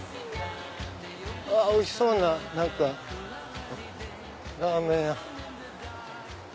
おいしそうなラーメン屋。